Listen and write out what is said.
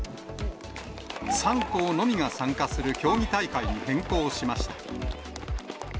３校のみが参加する競技大会に変更しました。